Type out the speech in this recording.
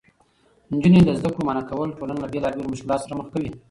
نجونې له زده کړو منعه کول ټولنه له بېلابېلو مشکلاتو سره مخ کوي.